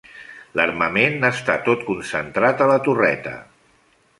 L'armament està tot concentrat a la torreta.